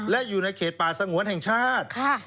และอยู่ในเขตป่าสงวนแห่งชาติ